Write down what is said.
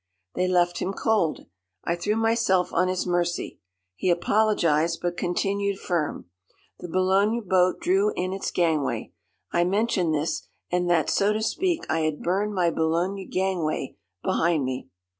"They left him cold. I threw myself on his mercy. He apologised, but continued firm. The Boulogne boat drew in its gangway. I mentioned this, and that, so to speak, I had burned my Boulogne gangway behind me.